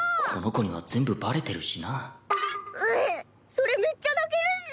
それめっちゃ泣けるっス。